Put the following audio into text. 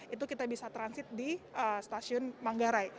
itu kita bisa transit di stasiun manggarai